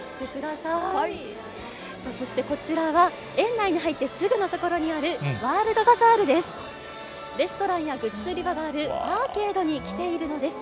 さあ、そしてこちらは、園内に入ってすぐの所にあるワールドバザールです。